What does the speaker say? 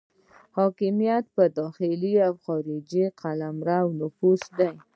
حاکمیت په داخلي او خارجي قلمرو نفوذ دی.